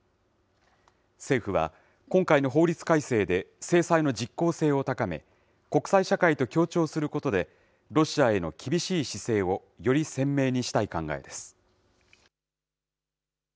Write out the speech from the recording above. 政府は、今回の法律改正で、制裁の実効性を高め、国際社会と協調することで、ロシアへの厳しい姿勢をより鮮明にしたい考えです。